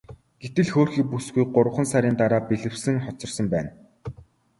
Гэтэл хөөрхий бүсгүй гуравхан сарын дараа бэлэвсрэн хоцорсон байна.